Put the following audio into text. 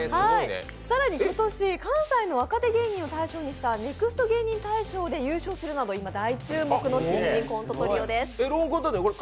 更に今年、関西の若手芸人を対象にしたＮＥＸＴ芸人大賞で優勝するなど大注目の新人コントトリオです。